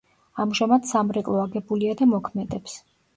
ამჟამად სამრეკლო აგებულია და მოქმედებს.